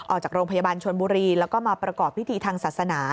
ออกจากโรงพยาบาลชนบุรีแล้วก็มาประกอบพิธีทางศาสนา